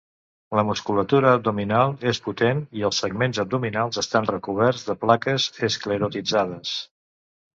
La musculatura abdominal és potent i els segments abdominals estan recoberts de plaques esclerotitzades.